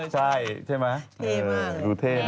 ใช่ใช่มั้ยเท่มากดูเท่นะ